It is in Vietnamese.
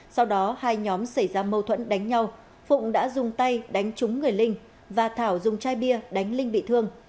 sau đó hai nhóm xảy ra mâu thuẫn đánh nhau phụng đã dùng tay đánh trúng người linh và thảo dùng chai bia đánh linh bị thương